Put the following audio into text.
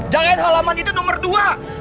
jangan halaman itu nomor dua